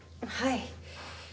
はい。